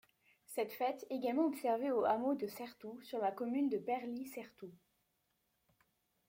Cette fête également observée au hameau de Certoux, sur la commune de Perly-Certoux.